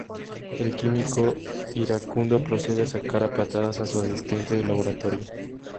El químico, iracundo, procede a sacar a patadas a su asistente del laboratorio.